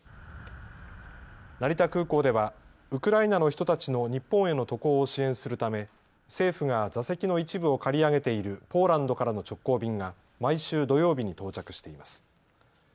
成田空港ではウクライナの人たちの日本への渡航を支援するため政府が座席の一部を借り上げているポーランドからの直行便が毎週土曜日に到着しています。